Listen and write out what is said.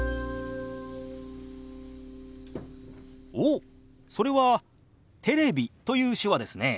おっそれは「テレビ」という手話ですね。